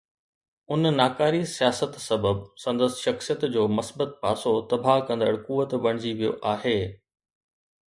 ان ناڪاري سياست سبب سندس شخصيت جو مثبت پاسو تباهه ڪندڙ قوت بڻجي ويو آهي.